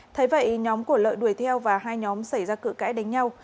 thế vậy nhóm của lợi đuổi theo và hai nhóm xảy ra cự cãi đánh nhau